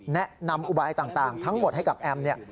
แนะนำอุบัติต่างทั้งหมดให้กับแอม